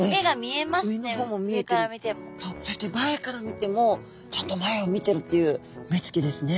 そして前から見てもちゃんと前を見てるという目つきですね。